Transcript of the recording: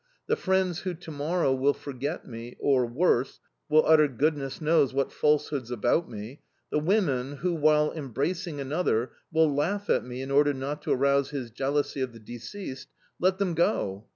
The friends who to morrow will forget me or, worse, will utter goodness knows what falsehoods about me; the women who, while embracing another, will laugh at me in order not to arouse his jealousy of the deceased let them go!